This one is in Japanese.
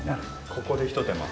ここでひと手間。